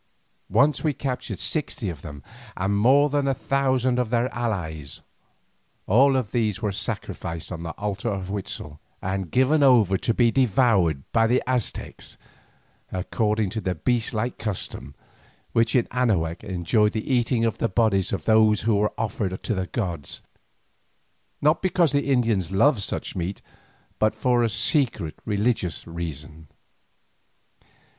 Once we captured sixty of them and more than a thousand of their allies. All these were sacrificed on the altar of Huitzel, and given over to be devoured by the Aztecs according to the beastlike custom which in Anahuac enjoined the eating of the bodies of those who were offered to the gods, not because the Indians love such meat but for a secret religious reason.